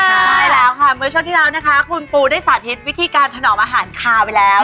ใช่แล้วค่ะเมื่อช่วงที่แล้วนะคะคุณปูได้สาธิตวิธีการถนอมอาหารคาวไปแล้ว